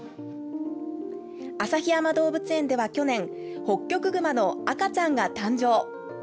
旭山動物園では、去年ホッキョクグマの赤ちゃんが誕生。